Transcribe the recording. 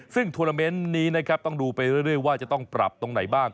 ซึ่งทวนาเมนต์นี้นะครับต้องดูไปเรื่อยว่าจะต้องปรับตรงไหนบ้าง